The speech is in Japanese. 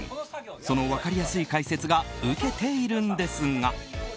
その分かりやすい解説が受けているんですが。